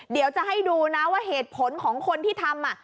เดี๋ยวจะให้ดูนะว่าเหตุผลของคนที่ทำ